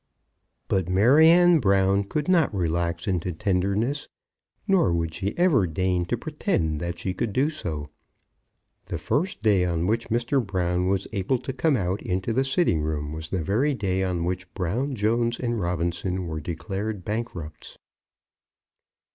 But Maryanne Brown could not relax into tenderness, nor would she ever deign to pretend that she could do so. The first day on which Mr. Brown was able to come out into the sitting room was the very day on which Brown, Jones, and Robinson were declared bankrupts.